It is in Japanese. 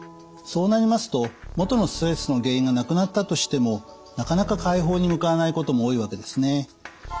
そうなりますと元のストレスの原因がなくなったとしてもなかなか快方に向かわないことも多いわけですね。